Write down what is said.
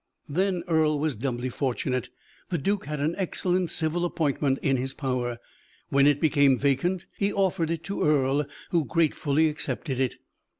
Then Earle was doubly fortunate; the duke had an excellent civil appointment in his power; when it became vacant, he offered it to Earle, who gratefully accepted it.